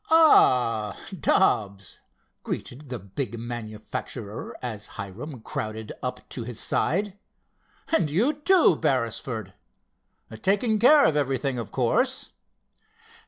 "Ah, Dobbs!" greeted the big manufacturer, as Hiram crowded up to his side. "And you too, Beresford? Taken care of everything, of course?"